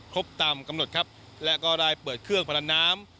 ครบตามกำหนดครับและก็ได้เปิดเครื่องพนันน้ำ